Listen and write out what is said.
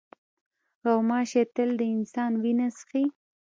غوماشې تل د انسان وینه څښي.